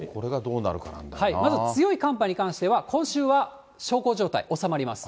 まず強い寒波に関しては、今週は小康状態、収まります。